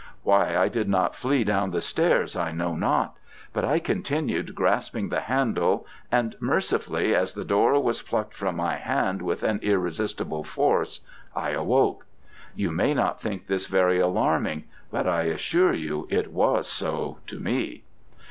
Why I did not flee down the stairs I know not. I continued grasping the handle, and mercifully, as the door was plucked from my hand with an irresistible force, I awoke. You may not think this very alarming, but I assure you it was so to me.